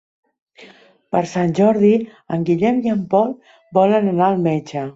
Per Sant Jordi en Guillem i en Pol volen anar al metge.